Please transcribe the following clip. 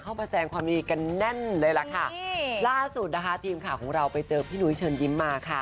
มาแสงความดีกันแน่นเลยล่ะค่ะล่าสุดนะคะทีมข่าวของเราไปเจอพี่หนุ้ยเชิญยิ้มมาค่ะ